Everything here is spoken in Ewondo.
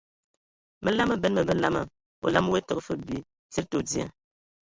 Məlam məben a ngabə lamaŋ, olam woe təgə fəg bi tsid tɔ dzia.